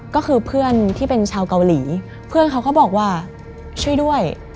ก็คือเพื่อนที่เป็นชาวเกาหลีเพื่อนเขาก็บอกว่าช่วยด้วย